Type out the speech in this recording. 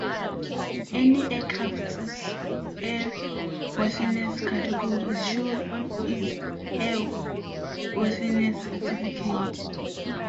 Any aircraft's airworthiness category is shown on its airworthiness certificate.